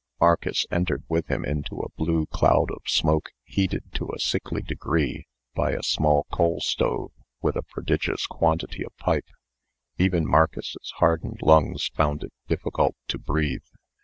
Marcus entered with him into a blue cloud of smoke heated to a sickly degree by a small coal stove with a prodigious quantity of pipe. Even Marcus's hardened lungs found it difficult to breathe.